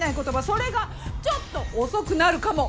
それが「ちょっと遅くなるかも」。